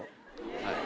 はい。